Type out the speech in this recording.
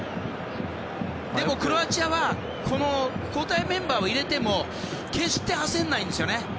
でも、クロアチアは交代メンバーを入れても決して焦らないんですよね。